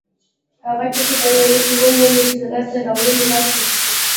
هغه ټکي پکې ومومئ چې د لاسته راوړنو راز پکې دی.